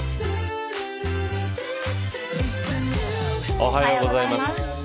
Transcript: おはようございます。